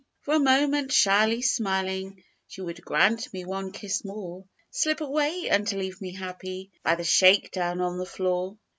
For a moment shyly smiling, She would grant me one kiss more Slip away and leave me happy By the shake down on the floor.